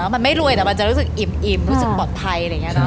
มันรวยป่ะมันจะรู้สึกอิ่มรู้สึกปลอดภัย